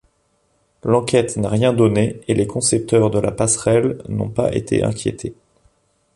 L'enquête n'a rien donné et les concepteurs de la passerelle n'ont pas été inquiétés.